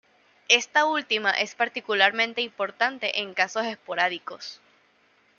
Esta última es particularmente importante en casos esporádicos.